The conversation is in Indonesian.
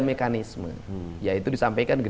mekanisme yaitu disampaikan ke